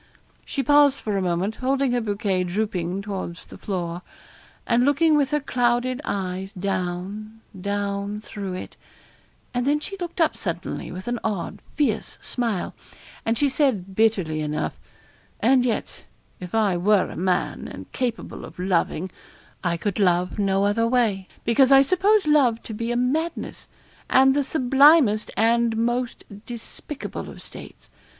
She paused for a moment, holding her bouquet drooping towards the floor, and looking with her clouded eyes down down through it; and then she looked up suddenly, with an odd, fierce smile, and she said bitterly enough 'and yet, if I were a man, and capable of loving, I could love no other way; because I suppose love to be a madness, and the sublimest and the most despicable of states.